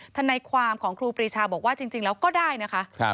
ทนายความของครูปรีชาบอกว่าจริงแล้วก็ได้นะคะ